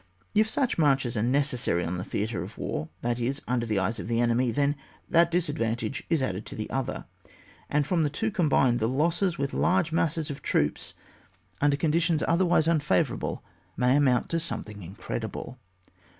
If such marches are necessary on the theatre of war, that is under the eyes of the enemy, then that disadvantage is added to the other, and from the two combined the losses with large masses of troops, and under conditions otherwise unfavourable may amount to something incredible.